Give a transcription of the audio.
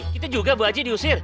kita juga bu haji diusir